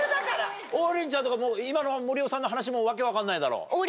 王林ちゃんとか今の森尾さんの話訳分かんないだろ？